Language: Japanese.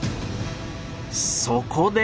そこで！